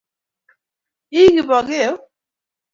Ii Kipokeo?